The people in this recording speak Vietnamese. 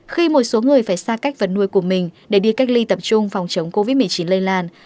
khi một số người phải xa cách vật nuôi của mình để đi cách ly tập trung phòng chống covid một mươi chín lây lan